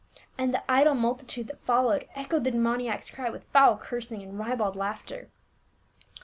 And the idle multitude that fol lowed echoed the demoniac's cry with foul cursing and ribald laughter.